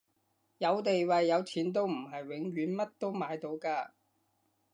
有地位有錢都唔係永遠乜都買到㗎